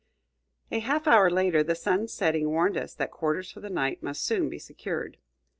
A half hour later, the sun's setting warned us that quarters for the night must soon be secured.